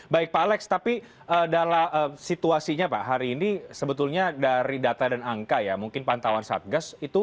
baik pak alex tapi dalam situasinya pak hari ini sebetulnya dari data dan angka ya mungkin pantauan satgas